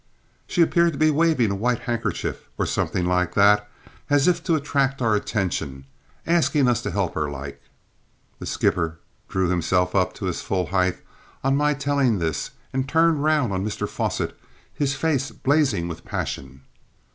"She appeared to be waving a white handkerchief or something like that, as if to attract our attention asking us to help her, like." The skipper drew himself up to his full height on my telling this and turned round on Mr Fosset, his face blazing with passion.